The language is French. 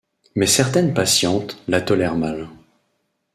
Mais certaines patientes la tolèrent mal.